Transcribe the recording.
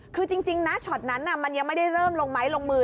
คือจริงนะช็อตนั้นมันยังไม่ได้เริ่มลงไม้ลงมือ